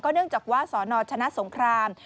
ก็เนื่องจากว่าสอนอดินชนะสงคราม